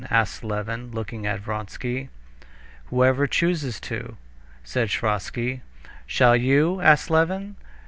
asked Levin, looking at Vronsky. "Whoever chooses to," said Sviazhsky. "Shall you?" asked Levin.